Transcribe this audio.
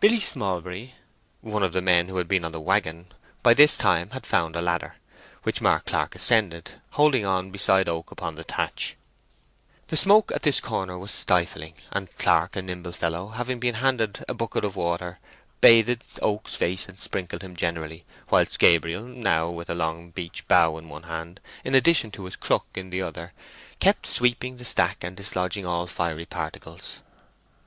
Billy Smallbury—one of the men who had been on the waggon—by this time had found a ladder, which Mark Clark ascended, holding on beside Oak upon the thatch. The smoke at this corner was stifling, and Clark, a nimble fellow, having been handed a bucket of water, bathed Oak's face and sprinkled him generally, whilst Gabriel, now with a long beech bough in one hand, in addition to his crook in the other, kept sweeping the stack and dislodging all fiery particles.